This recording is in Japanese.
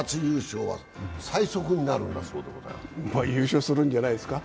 優勝するんじゃないですか。